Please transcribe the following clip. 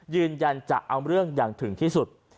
ยืนยันจะเอาเรื่องอย่างถึงที่สุด